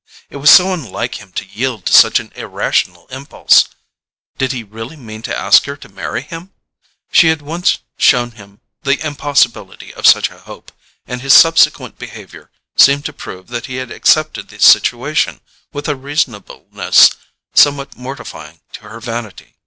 It was so unlike him to yield to such an irrational impulse! Did he really mean to ask her to marry him? She had once shown him the impossibility of such a hope, and his subsequent behaviour seemed to prove that he had accepted the situation with a reasonableness somewhat mortifying to her vanity.